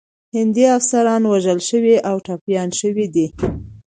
هندي افسران وژل شوي او ټپیان شوي دي.